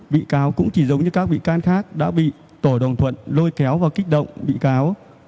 bị cáo cũng chỉ giống như các bị can khác đã bị tổ đồng thuận lôi kéo và kích động bị cáo